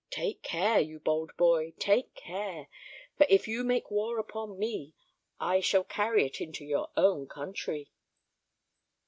Take care, you bold boy, take care; for if you make war upon me, I shall carry it into your own country."